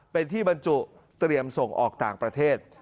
เป็นที่บรรจุเตรียมส่งออกต่างประเทศ